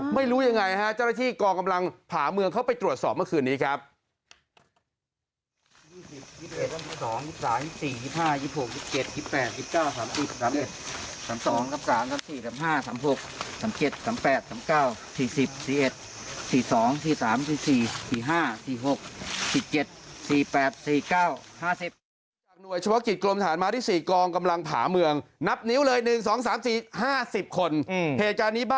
ไม่รู้ยังไงฮะเจ้าหน้าที่กองกำลังผ่าเมืองเข้าไปตรวจสอบเมื่อคืนนี้ครับ